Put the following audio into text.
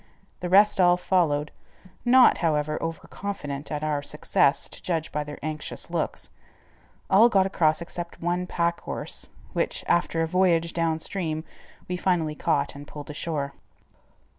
The rest all followed, not, however, over confident at our success, to judge by their anxious looks. All got across except one pack horse, which, after a voyage down stream, we finally caught and pulled ashore.